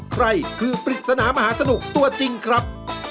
ใครคือปริศนามหาสนุกตัวจริงครับ